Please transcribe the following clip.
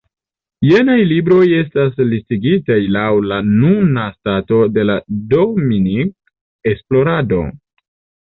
Jenaj libroj estas listigitaj lau la nuna stato de la Dominik-esplorado.